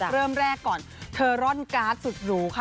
เริ่มแรกก่อนเธอร่อนการ์ดสุดหรูค่ะ